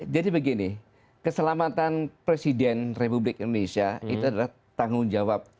jadi begini keselamatan presiden republik indonesia itu adalah tanggung jawab